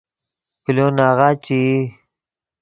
کلو ناغہ چے ای